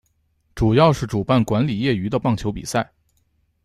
主要是主办管理业余的棒球比赛。